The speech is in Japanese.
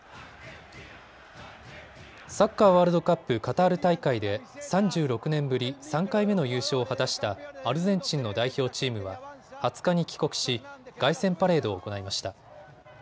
サッカーワールドカップカタール大会で３６年ぶり３回目の優勝を果たしたアルゼンチンの代表チームは２０日に帰国し、凱旋パレードを行いました。